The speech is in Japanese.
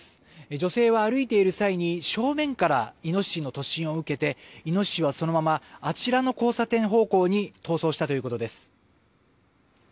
女性は歩いている際に正面からイノシシの突進を受けてイノシシは、そのままあちらの交差点方向に逃走したということです。